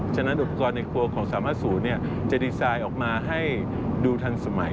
ฉะนั้นอุปกรณ์ในครัวของ๓๕๐จะดีไซน์ออกมาให้ดูทันสมัย